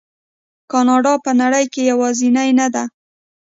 کاناډا په نړۍ کې یوازې نه ده.